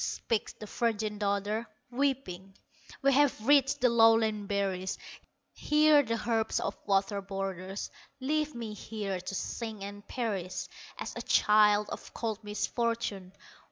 Speaks the virgin daughter, weeping: "We have reached the lowland berries, Here the herbs of water borders; Leave me here to sink and perish As a child of cold misfortune.